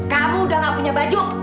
kamu udah gak punya baju